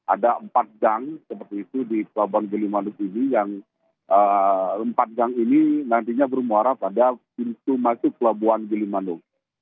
ada empat gang seperti itu di pelabuhan gilimanuk ini yang empat gang ini nantinya bermuara pada pintu masuk pelabuhan gilimanuk